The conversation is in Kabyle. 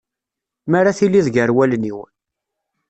Mi ara tiliḍ gar wallen-iw.